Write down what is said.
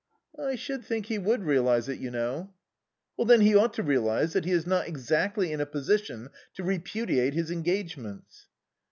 "I should think he would realize it, you know." "Then he ought to realize that he is not exactly in a position to repudiate his engagements."